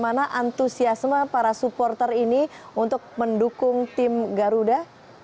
dan untuk mendukung tim garuda